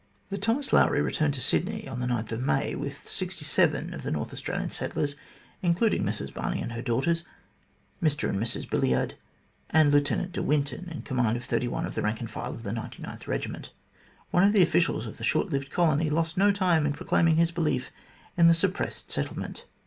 The Thomas Lowry returned to Sydney on May 9, with sixty seven of the North Australian settlers, including Mrs Barney and her daughters, Mr and Mrs Billyard, and Lieu tenant de Winton in command of thirty one of the rank and file of the 99th Kegiment. One of the officials of the short lived colony lost no time in proclaiming his belief in the suppressed settlement.